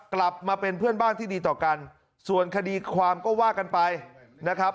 กลับมาเป็นเพื่อนบ้านที่ดีต่อกันส่วนคดีความก็ว่ากันไปนะครับ